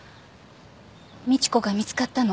美知子が見つかったの。